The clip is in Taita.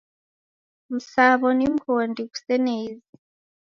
Msaw'o ni mghondi ghusene izi.